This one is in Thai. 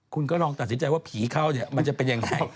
คุณก็ลองตัดสินใจว่าผีเข้าเนี่ยมันจะเป็นยังไง